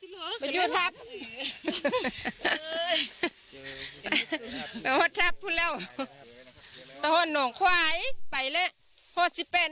ตอนนั้นในใจคิดยังไงบ้างแม่ตอนที่หายตัว